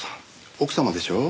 奥様でしょう？